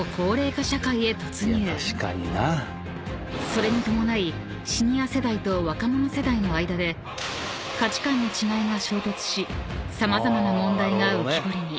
［それに伴いシニア世代と若者世代の間で価値観の違いが衝突し様々な問題が浮き彫りに］